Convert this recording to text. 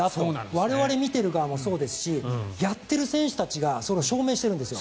我々見ている側もそうですしやっている選手たちがそれを証明しているんですよ。